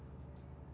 t habit dari hari ini